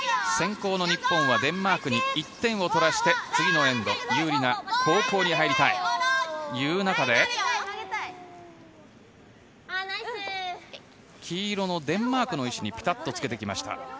先攻の日本はデンマークに１点を取らせて次のエンド有利な後攻に入りたいという中で黄色のデンマークの石にピタッとつけてきました。